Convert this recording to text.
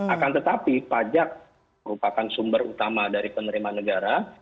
akan tetapi pajak merupakan sumber utama dari penerimaan negara